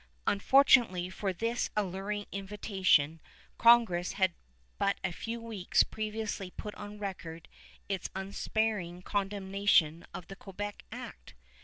Unfortunately for this alluring invitation, Congress had but a few weeks previously put on record its unsparing condemnation of the Quebec Act.